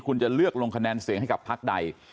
คุณจะเลือกลงคะแนนเสียงให้กับพักใด